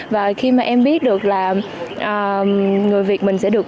và khi mà em biết được là người việt mình sẽ được